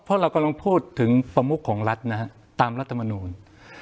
เพราะเรากำลังพูดถึงประมุขของรัฐนะครับตามรัฐมนต์มนุษย์